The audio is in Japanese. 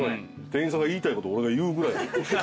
店員さんが言いたいこと俺が言うぐらい。